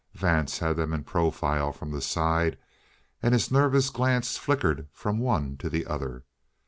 Vance had them in profile from the side, and his nervous glance flickered from one to the other.